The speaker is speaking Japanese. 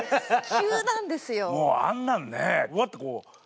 急なんですよ。